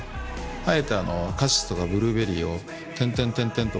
あえてカシスとかブルーベリーを点々点々と。